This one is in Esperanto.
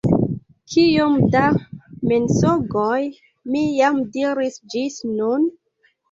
Kiom da mensogoj mi jam diris ĝis nun?